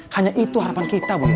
hanya itu harapan kita bu